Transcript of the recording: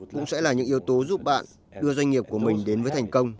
cũng sẽ là những yếu tố giúp bạn đưa doanh nghiệp của mình đến với thành công